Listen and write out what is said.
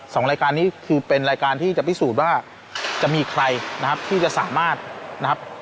สองรายการนี้คือเป็นรายการที่จะพิสูจน์ว่าจะมีใครนะครับที่จะสามารถนะครับ